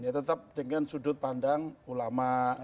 tetap dengan sudut pandang ulama